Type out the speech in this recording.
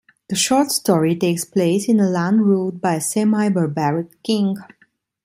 The short story takes place in a land ruled by a semi-barbaric king.